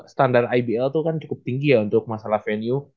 standar ibl itu kan cukup tinggi ya untuk masalah venue